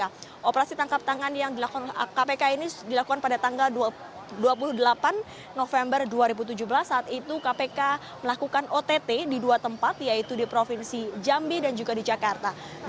nah operasi tangkap tangan yang dilakukan kpk ini dilakukan pada tanggal dua puluh delapan november dua ribu tujuh belas saat itu kpk melakukan ott di dua tempat yaitu di provinsi jambi dan juga di jakarta